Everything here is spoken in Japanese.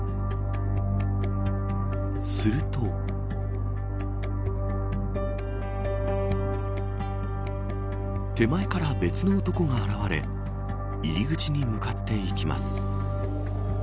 すると手前から別の男が現れ入口に向かっていきます。